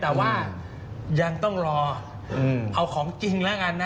แต่ว่ายังต้องรอเอาของจริงแล้วกันนะ